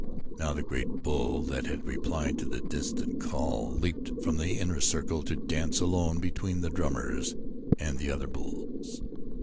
Now the great bull that had replied to the distant call leaped from the inner circle to dance alone between the drummers and the other bulls.